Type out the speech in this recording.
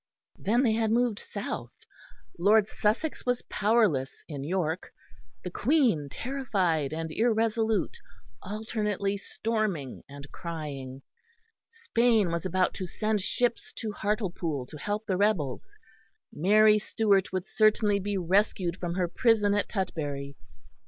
Then they had moved south; Lord Sussex was powerless in York; the Queen, terrified and irresolute, alternately storming and crying; Spain was about to send ships to Hartlepool to help the rebels; Mary Stuart would certainly be rescued from her prison at Tutbury.